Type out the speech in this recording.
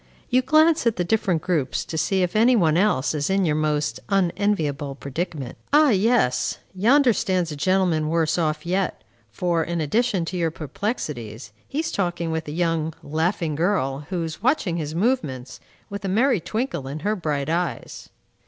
You glance at the different groups to see if any one else is in your most unenviable predicament. Ah, yes! Yonder stands a gentleman worse off yet, for, in addition to your perplexities, he is talking with a young, laughing girl, who is watching his movements, with a merry twinkle in her bright eyes.